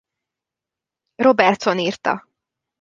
Robertson írta.